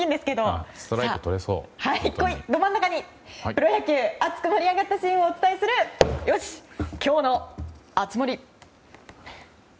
プロ野球熱く盛り上がったシーンをお伝えする今日の熱盛！